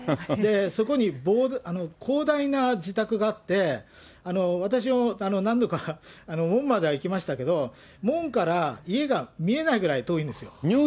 そこに広大な自宅があって、私も何度か門までは行きましたけど、門から家が見えないぐらい遠いんですよ。